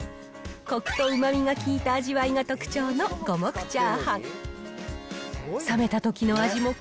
こくとうまみが効いた味わいが特徴の五目チャーハン。